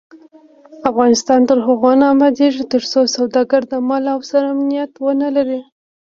افغانستان تر هغو نه ابادیږي، ترڅو سوداګر د مال او سر امنیت ونلري.